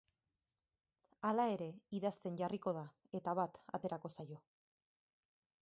Hala ere, idazten jarriko da, eta bat aterako zaio.